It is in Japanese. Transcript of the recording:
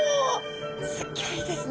すギョいですね！